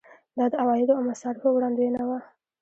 دا د عوایدو او مصارفو وړاندوینه وه.